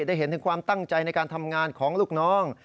ได้เห็นถึงความตั้งใจในการทำงานของลูกน้อง